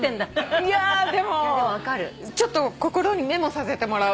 いやでもちょっと心にメモさせてもらう。